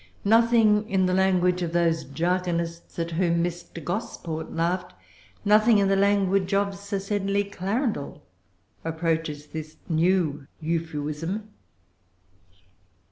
Nothing in the language of those jargonists at whom Mr. Gosport laughed, nothing in the language of Sir Sedley Clarendel, approaches this new Euphuism.